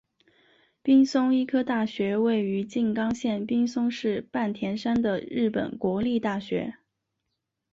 滨松医科大学位于静冈县滨松市半田山的日本国立大学。